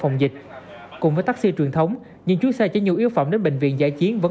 phòng dịch cùng với taxi truyền thống những chuyến xe chở nhu yếu phẩm đến bệnh viện giải chiến vẫn